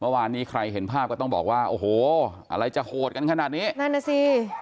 เมื่อวานนี้ใครเห็นภาพก็ต้องบอกว่าโอ้โหอะไรจะโหดกันขนาดนี้นั่นน่ะสิ